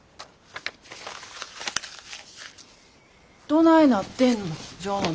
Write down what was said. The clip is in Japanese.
どないなってんの？